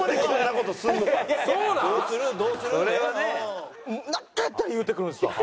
なんかあったら言うてくるんですわ。